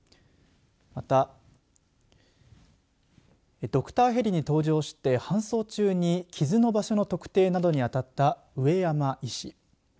またドクターヘリに搭乗して搬送中に傷の場所の特定などに当たった植山医師。